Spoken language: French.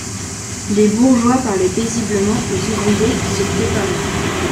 Les bourgeois parlaient paisiblement aux ouvriers de ce qui se préparait.